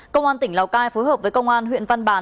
công an tỉnh lào cai phối hợp với công an huyện văn bàn